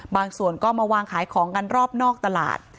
ส่วนก็มาวางขายของกันรอบนอกตลาด